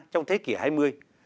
trong thế giới